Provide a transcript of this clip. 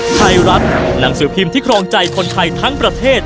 หนังสือพิมพ์ที่ครองใจคนไทยทั้งประเทศ